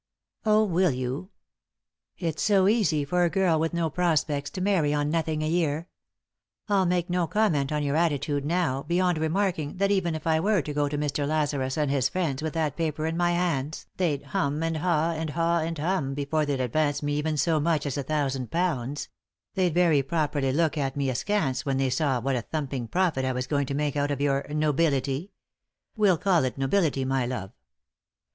" Oh, will you 1 It's so easy for a girl with no pros pects to marry on nothing a year I I'll make no com ment on your attitude now beyond remarking that even if I were to go to Mr. Lazarus and his friends with that paper in my hands they'd 'hum' and 'ha,' and 'ha' and ' hum,' before they'd advance me even so much as a thousand pounds ; they d very properly look at me askance when they saw what a thumping profit I was going to make out of your— nobility ; we'll call it no bility, my love.